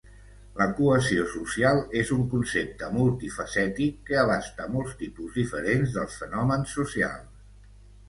La cohesió social és un concepte multifacètic que abasta molts tipus diferents dels fenòmens socials.